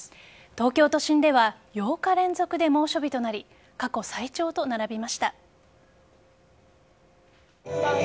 東京都心では８日連続で猛暑日となり過去最長と並びました。